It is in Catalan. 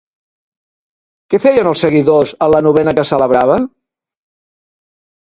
Què feien els seguidors en la novena que es celebrava?